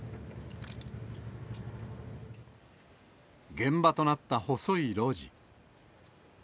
現場となった細い路地。